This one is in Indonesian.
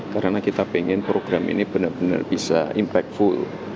karena kita pengen program ini benar benar bisa impactful